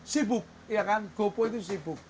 sibuk ya kan gopo itu sibuk